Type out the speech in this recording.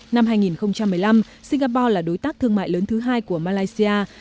năm hai nghìn một mươi năm singapore là đối tác thương mại lớn thứ hai của malaysia